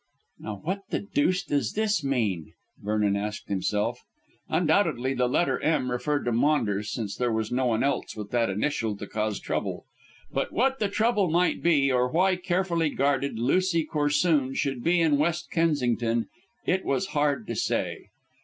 "Now what the deuce does this mean?" Vernon asked himself. Undoubtedly the letter "M." referred to Maunders, since there was no one else with that initial to cause trouble. But what the trouble might be, or why carefully guarded Lucy Corsoon should be in West Kensington it was hard to say.